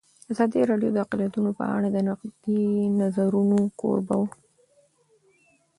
ازادي راډیو د اقلیتونه په اړه د نقدي نظرونو کوربه وه.